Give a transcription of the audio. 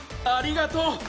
ありがとう！